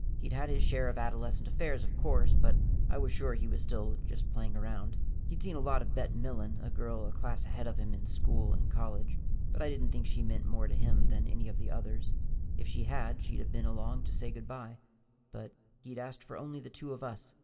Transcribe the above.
He'd had his share of adolescent affairs, of course, but I was sure he was still just playing around. He'd seen a lot of Bet Milen, a girl a class ahead of him in school and college, but I didn't think she meant more to him than any of the others. If she had, she'd have been along to say good by, but he'd asked for only the two of us.